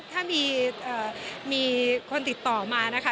ถ้ามีคนติดต่อมานะคะ